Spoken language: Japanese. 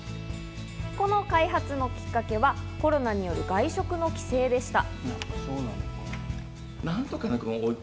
この開発のきっかけはコロナによる外食の規制でした。